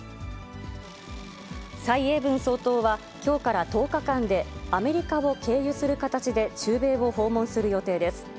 蔡英文総統は、きょうから１０日間で、アメリカを経由する形で中米を訪問する予定です。